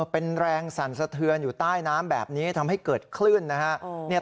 เป็นแรงสั่นสะเทือนอยู่ใต้น้ำแบบนี้ทำให้เกิดคลื่นนะครับ